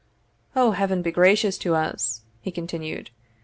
"O Heaven be gracious to us!" he continued.